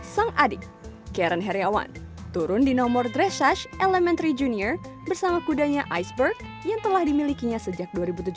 sang adik karen heriawan turun di nomor dresshach elementary junior bersama kudanya iceburg yang telah dimilikinya sejak dua ribu tujuh belas